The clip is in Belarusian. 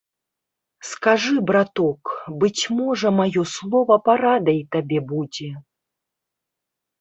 Скажы, браток, быць можа, маё слова парадай табе будзе.